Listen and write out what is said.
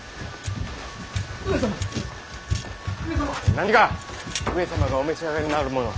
何か上様がお召し上がりになるものを！